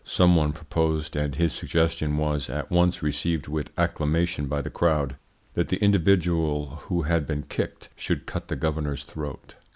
Some one proposed, and his suggestion was at once received with acclamation by the crowd, that the individual who had been kicked should cut the governor's throat.